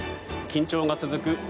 緊張が続く